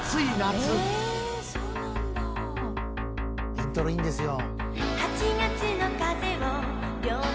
イントロいいんですよ。